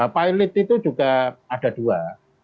pilot itu juga ada dua